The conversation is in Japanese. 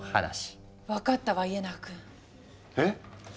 分かったわ家長くん。え？